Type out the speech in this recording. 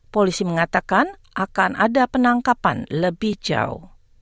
polisi mengatakan akan ada penangkapan lebih jauh